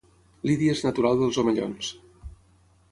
Lídia és natural dels Omellons